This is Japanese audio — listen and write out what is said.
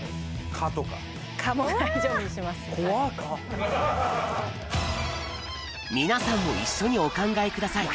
蚊皆さんも一緒にお考えください